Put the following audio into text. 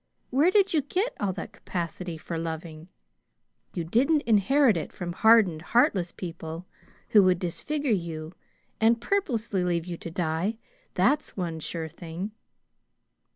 Where did you get all that capacity for loving? You didn't inherit it from hardened, heartless people, who would disfigure you and purposely leave you to die, that's one sure thing.